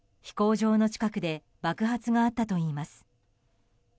飛行場の近くで爆発があったといいます。